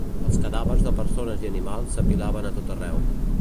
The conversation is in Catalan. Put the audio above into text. Els cadàvers de persones i animals s'apilaven a tot arreu.